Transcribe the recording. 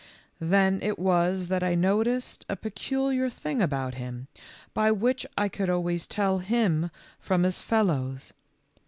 Then it was that I noticed a peculiar thing about him, by which I could always tell him from his fellows.